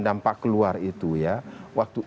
dampak keluar itu ya waktu